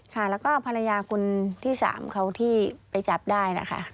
ภรรยาคุณที่๓เขาที่ไปจับได้นะคะ